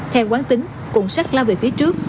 theo quán tính cuộn xác lao về phía trước